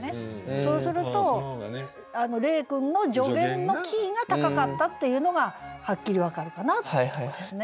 そうすると黎君の助言のキーが高かったっていうのがはっきり分かるかなと思いますね。